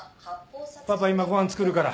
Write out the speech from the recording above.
パパ今ご飯作るから。